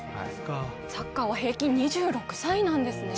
サッカーは平均２６歳なんですね。